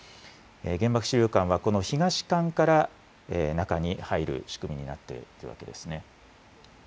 原爆資料館はこの東館から中に入る仕組みになっているというわけですね。